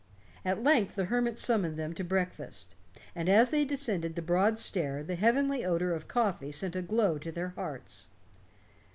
At length the hermit summoned them to breakfast, and as they descended the broad stair the heavenly odor of coffee sent a glow to their hearts.